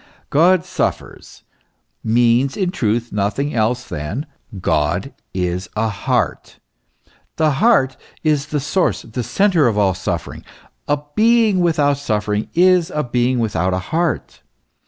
God suffers, means in truth nothing else than : God is a heart. The heart is the source, the centre of all suffering. A being without suffering is a being without a heart.